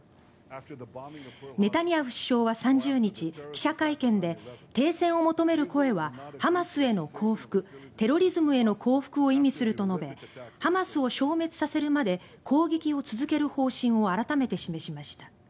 ネタニヤフ首相は３０日記者会見で、停戦を求める声はハマスへの降伏テロリズムへの降伏を意味すると述べハマスを消滅させるまで攻撃を続ける方針を改めて示しました。